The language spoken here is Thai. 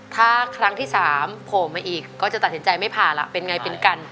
ถ้าครั้งที่๓โผล่มาอีกก็จะตัดสินใจไม่ผ่าล่ะเป็นไงเป็นกัน